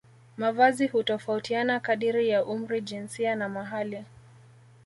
Mavazi hutofautiana kadiri ya umri jinsia na mahali